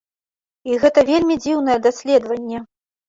І гэта вельмі дзіўнае даследаванне.